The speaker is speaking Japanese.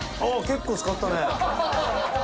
結構使ったね。